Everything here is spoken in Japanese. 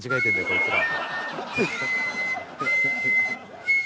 こいつら。